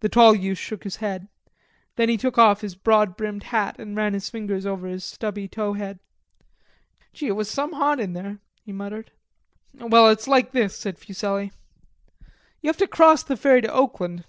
The tall youth shook his head. Then he took off his broad brimmed hat and ran his fingers over his stubby tow head. "Gee, it was some hot in there," he muttered. "Well, it's like this," said Fuselli. "You have to cross the ferry to Oakland.